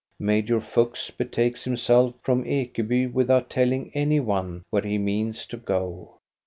Major Fuchs betakes himself from Ekeby without telling any one where he means to go.